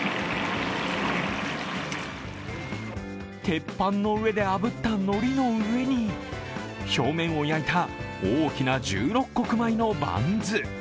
鉄板の上であぶったのりの上に表面を焼いた大きな十六穀米のバンズ。